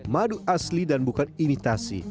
madu asli dan bukan imitasi